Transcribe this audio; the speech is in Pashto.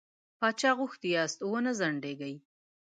باچا غوښتي یاست او نه زهرېږئ.